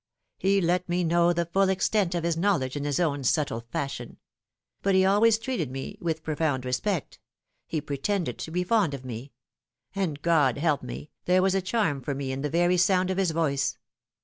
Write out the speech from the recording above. He let me know the full extent of his knowledge in his own subtle fashion ; but he always treated me with profound respect he pretended to be fond of me ; and, God help me, there was a charm for me in the very sound of his voice.